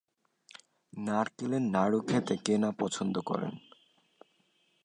নারকেলের নাড়ু খেতে কে না পছন্দ করেন।